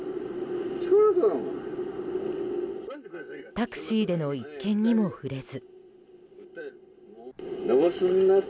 タクシーでの一件にも触れず。